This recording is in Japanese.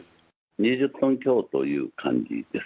２０トン強という感じです。